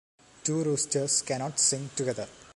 Two roosters cannot sing together.